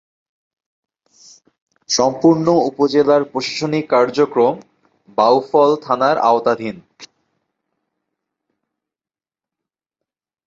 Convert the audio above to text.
সম্পূর্ণ উপজেলার প্রশাসনিক কার্যক্রম বাউফল থানার আওতাধীন।